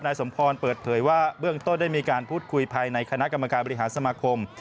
สมพรเปิดเผยว่าเบื้องต้นได้มีการพูดคุยภายในคณะกรรมการบริหารสมาคม